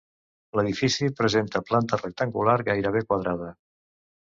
L'edifici presenta planta rectangular gairebé quadrada.